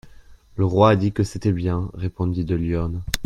Le roi a dit que c'était bien, répondit de Lyonne.